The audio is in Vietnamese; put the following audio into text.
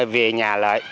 về nhà lại